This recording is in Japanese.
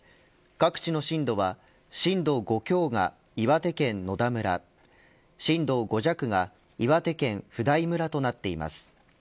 各地の震度は震度５強が岩手県野田村震度５弱が岩手県普代村となっています。